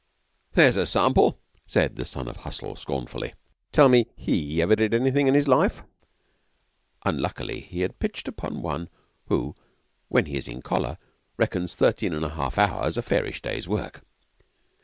'There's a sample!' said the Son of Hustle scornfully. 'Tell me, he ever did anything in his life?' Unluckily he had pitched upon one who, when he is in collar, reckons thirteen and a half hours a fairish day's work.